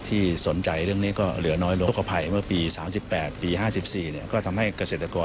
ที่สนใจเรื่องนี้ก็เหลือน้อยแล้ว